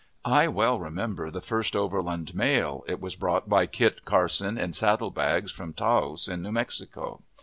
I well remember the first overland mail. It was brought by Kit Carson in saddle bags from Taos in New Mexico.